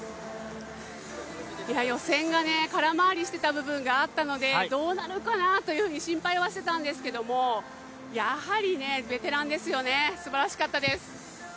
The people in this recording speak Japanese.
予選が空回りしていた部分があったので、どうなるかなと心配はしていたんですがやはりベテランですよね、すばらしかったです。